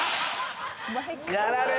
やられた。